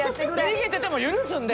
逃げてても許すんで。